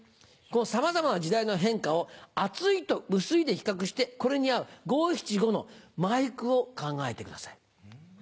さまざまな時代の変化を「厚い」と「薄い」で比較してこれに合う五・七・五の前句を考えてください。